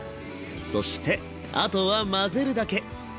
そしてあとは混ぜるだけ！